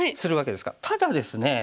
ただですね